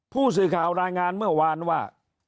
ผู้สื่อข่าวรายงานเมื่อวานว่า